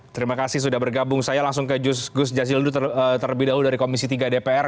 terima kasih sudah bergabung saya langsung ke gus jazildu terlebih dahulu dari komisi tiga dpr